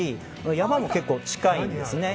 山も結構近いんですね。